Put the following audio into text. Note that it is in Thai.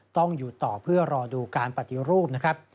ต้องอยู่ต่อเพื่อรอดูการปฏิรูปนะครับ